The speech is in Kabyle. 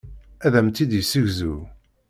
Ad am-tt-id-yessegzu.